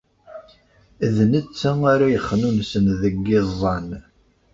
D netta ara yexnunsen deg yiẓẓan.